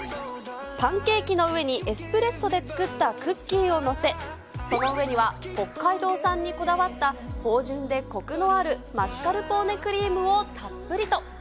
パンケーキの上にエスプレッソで作ったクッキーを載せ、その上には北海道産にこだわった、芳じゅんでこくのあるマスカルポーネクリームをたっぷりと。